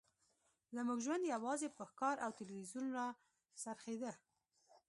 زموږ ژوند یوازې په ښکار او تلویزیون راڅرخیده